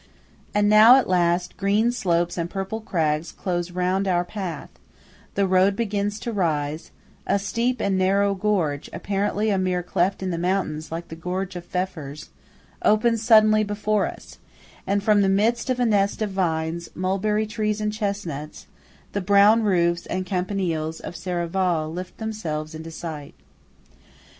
And now at last green slopes and purple crags close round our path; the road begins to rise; a steep and narrow gorge, apparently a mere cleft in the mountains like the gorge of Pfeffers, opens suddenly before us; and from the midst of a nest of vines, mulberry trees and chestnuts, the brown roofs and campaniles of Serravalle lift themselves into sight.